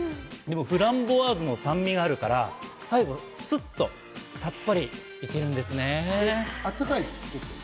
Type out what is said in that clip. でも、フランボワーズの酸味があるから最後スッと、さっぱり行けるんですね。